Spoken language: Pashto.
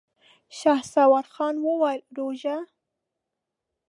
شهسوار خان وويل: روژه؟!